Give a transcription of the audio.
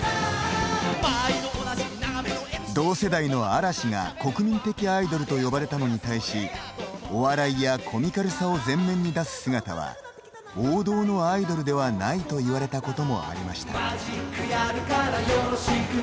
同世代の嵐が国民的アイドルと呼ばれたのに対しお笑いやコミカルさを前面に出す姿は王道のアイドルではないと言われたこともありました。